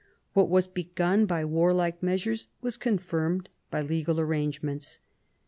What was begun by warlike measures was confirmed by legal arrangements.